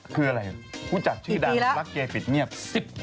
คืออะไรผู้จัดชื่อดังรักเกย์ปิดเงียบ